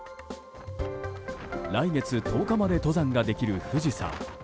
来月１０日まで登山ができる富士山。